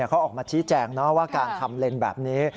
เขาออกมาชี้แจงว่าการทำเลนส์แบบนี้